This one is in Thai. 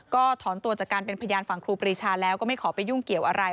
ก็ถอนตัวจากการเป็นพยานฝั่งครูปรีชาแล้วก็ไม่ขอไปยุ่งเกี่ยวอะไร